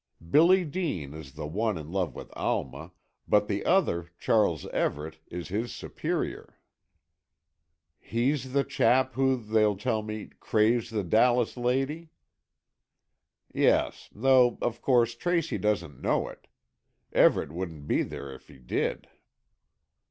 Billy Dean is the one in love with Alma, but the other, Charles Everett, is his superior." "He's the chap who, they tell me, craves the Dallas lady." "Yes, though of course Tracy doesn't know it. Everett wouldn't be there if he did."